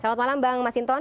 selamat malam bang masinton